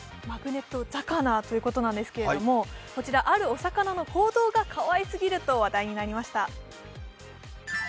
「マグネットざかな」ということなんですけれども、こちらあるお魚の行動がかわいすぎると話題になりました。